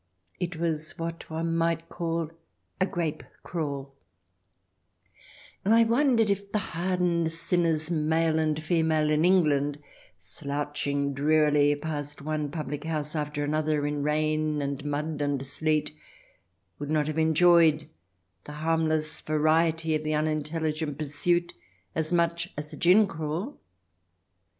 It was what one might call a grape crawl, and I wondered if the hardened sinners, male and female, in England, slouching drearily past one 3o8 THE DESIRABLE ALIEN [ch. xxi public house after another, in rain, and mud, and sleet, would not have enjoyed the harmless variety of the unintelligent pursuit as much as a gin crawl